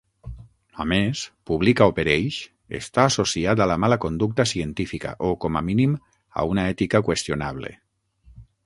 A més, "publica o pereix" està associat a la mala conducta científica o, com a mínim, a una ètica qüestionable.